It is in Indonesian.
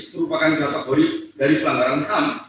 merupakan kategori dari pelanggaran ham